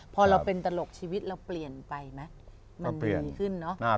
พอเราเป็นตลกชีวิตเราเปลี่ยนไปมั้ย